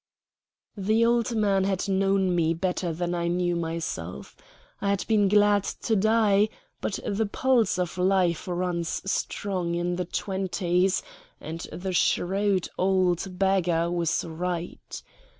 The old man had known me better than I knew myself. I had been glad to die; but the pulse of life runs strong in the twenties; and the shrewd old beggar was right.